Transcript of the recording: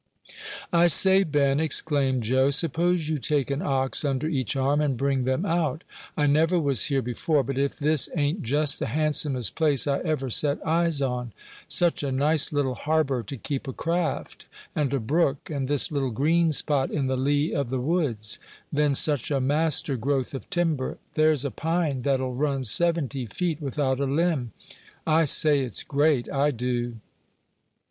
"I say, Ben," exclaimed Joe, "suppose you take an ox under each arm, and bring them out. I never was here before, but if this ain't just the handsomest place I ever set eyes on. Such a nice little harbor to keep a craft; and a brook, and this little green spot in the lee of the woods; then such a master growth of timber; there's a pine that'll run seventy feet without a limb. I say it's great, I do."